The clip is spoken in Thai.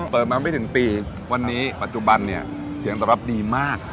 เปิดมาไม่ถึงปีวันนี้ปัจจุบันเนี่ยเสียงตอบรับดีมาก